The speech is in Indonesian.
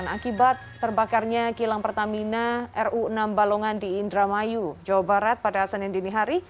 akibat terbakarnya kilang pertamina ru enam balongan di indramayu jawa barat pada senin dinihari